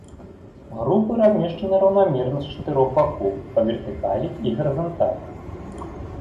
Групы размешчаны раўнамерна з чатырох бакоў па вертыкалі і гарызанталі.